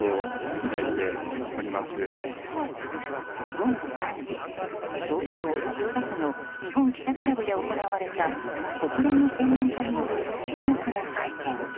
午後３時、東京・千代田区の日本記者クラブで行われた国連の専門家による注目の会見。